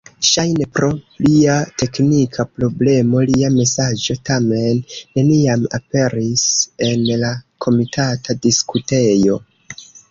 Ŝajne pro plia teknika problemo lia mesaĝo tamen neniam aperis en la komitata diskutejo.